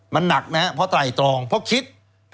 มันนักนะเพราะไตรองเพราะคิด